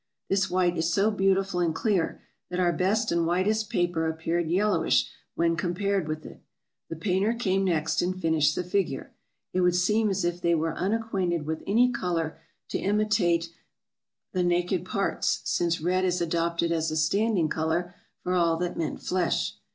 This white is so beautiful and clear, that our best and whitest paper appeared yellowish when compared with it. The painter came next and finished the figure. It would seem as if they were unacquainted with any color to imitate the naked parts, since red is adopted as a standing color for all that meant flesh.